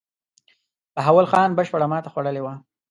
بهاول خان بشپړه ماته خوړلې وه.